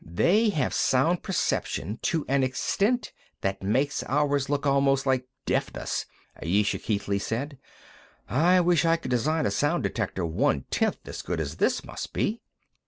"They have sound perception to an extent that makes ours look almost like deafness," Ayesha Keithley said. "I wish I could design a sound detector one tenth as good as this must be."